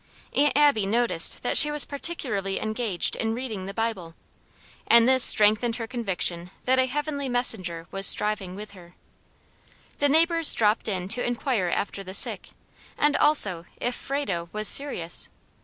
Aunt Abby noticed that she was particularly engaged in reading the Bible; and this strengthened her conviction that a heavenly Messenger was striving with her. The neighbors dropped in to inquire after the sick, and also if Frado was "SERIOUS?"